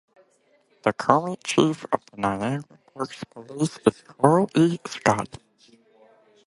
The current chief of the Niagara Parks Police is Carl E. Scott.